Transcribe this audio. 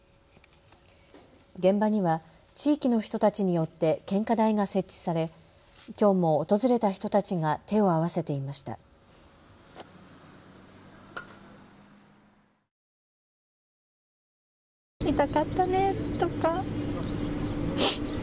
現場には地域の人たちによって献花台が設置されきょうも訪れた人たちが手を合わせていました。